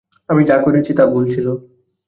আমি যা করেছি তা ভুল ছিল।